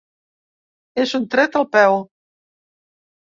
És un tret al peu.